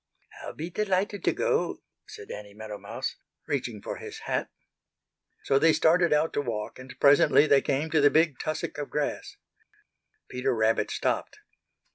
"I'll be delighted to go," said Danny Meadow Mouse, reaching for his hat. So they started out to walk and presently they came to the big tussock of grass. Peter Rabbit stopped.